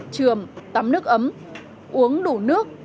trường tắm nước ấm uống đủ nước